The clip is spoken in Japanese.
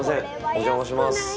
お邪魔します。